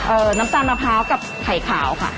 น้ำตาลมะพร้าวกับไข่ขาวค่ะ